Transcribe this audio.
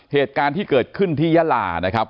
เหตุการณ์ที่เกิดขึ้นที่ยาลานะครับ